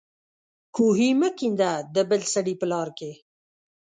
کوهي مه کېنده د بل سړي په لار کې